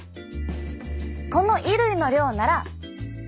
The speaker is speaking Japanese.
この衣類の量ならザバッ。